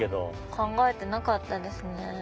考えてなかったですね。